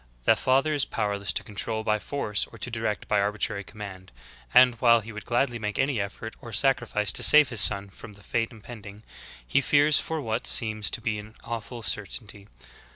The father is powerless to control by force or to direct by arbitrary command; and, while he would gladly make any effort or sacrifice to save his son from the fate impending, he fears for what seems to be an awful certainty.